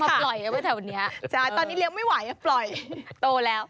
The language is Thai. ปล่อยเอาไว้แถวนี้ใช่ตอนนี้เลี้ยงไม่ไหวปล่อยโตแล้ว